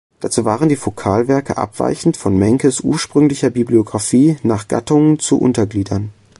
Dazu waren die Vokalwerke, abweichend von Menkes ursprünglicher Bibliographie, nach Gattungen zu untergliedern.